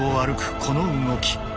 この動き。